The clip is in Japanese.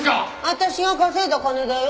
私が稼いだ金だよ。